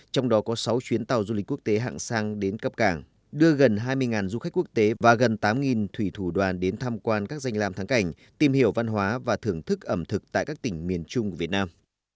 trong đó có sáu chuyến tàu du lịch quốc tế hạng sang đến cập cảng đưa gần hai mươi du khách quốc tế và gần tám thủy thủ đoàn đến tham quan các danh làm thắng cảnh tìm hiểu văn hóa và thưởng thức ẩm thực tại các tỉnh miền trung của việt nam